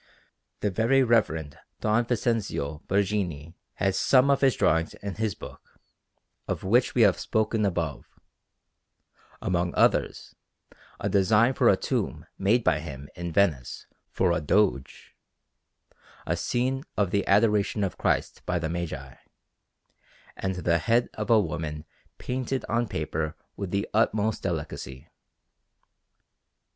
The Very Reverend Don Vincenzio Borghini has some of his drawings in his book, of which we have spoken above; among others, a design for a tomb made by him in Venice for a Doge, a scene of the Adoration of Christ by the Magi, and the head of a woman painted on paper with the utmost delicacy.